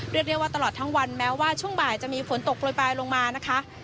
เรียกได้ว่าตลอดทั้งวันแม้ว่าช่วงบ่ายจะมีฝนตกโปรยปลายลงมานะคะ